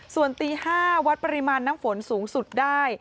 ส่วนตี๕วัดปริมาณน้ำฝนสูงสุดได้